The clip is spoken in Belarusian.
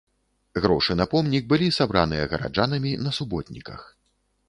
Грошы на помнік былі сабраныя гараджанамі на суботніках.